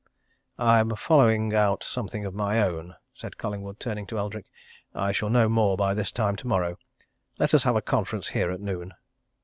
"I am following out something of my own," said Collingwood, turning to Eldrick. "I shall know more by this time tomorrow. Let us have a conference here at noon."